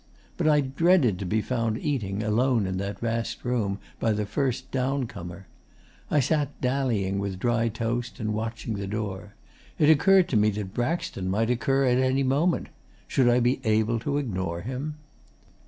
But I dreaded to be found eating, alone in that vast room, by the first downcomer. I sat dallying with dry toast and watching the door. It occurred to me that Braxton might occur at any moment. Should I be able to ignore him?